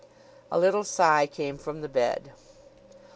'" A little sigh came from the bed.